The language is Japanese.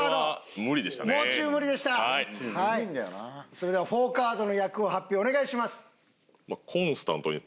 それでは４カードの役を発表お願いします！